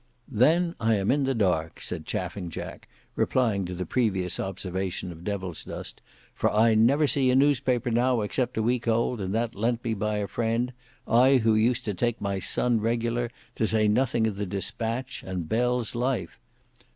"Then I am in the dark," said Chaffing Jack, replying to the previous observation of Devilsdust, "for I never see a newspaper now except a week old, and that lent by a friend, I who used to take my Sun regular, to say nothing of the Dispatch, and Bell's Life.